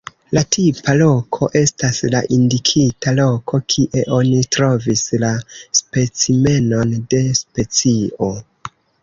La tipa loko estas la indikita loko kie oni trovis la specimenon de specio.